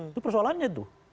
itu persoalannya itu